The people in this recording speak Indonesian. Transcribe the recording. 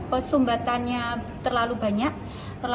tokoh musa salam lillahi wa ta'ala